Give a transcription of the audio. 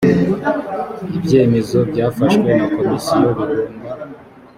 ibyemezo byafashwe na komisiyo bigomba